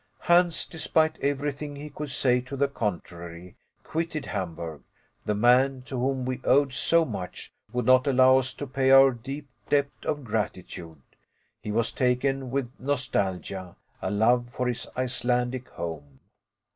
Hans, despite everything he could say to the contrary, quitted Hamburg; the man to whom we owed so much would not allow us to pay our deep debt of gratitude. He was taken with nostalgia; a love for his Icelandic home.